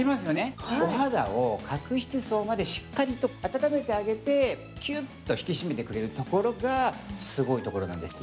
お肌を角質層までしっかりと温めてくれて、キュッと引き締めてくれるところがすごいところなんですよ。